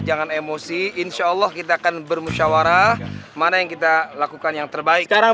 jangan emosi insyaallah kita akan bermusyawarah mana yang kita lakukan yang terbaik sekarang